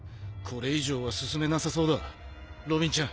これ以上は進めなさそうだロビンちゃん。